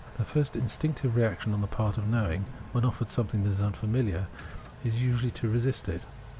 The first instinctive reaction on the part of knowing, when offered somethmg that was unfamihar, is usually to resist it.